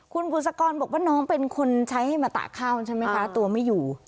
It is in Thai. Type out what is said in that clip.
คุณบุษกรบอกว่าน้องเป็นคนใช้ให้มาตากข้าวใช่ไหมคะตัวไม่อยู่